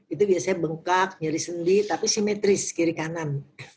itu biasanya bengkak nyari sendi tapi simetris kiri kanan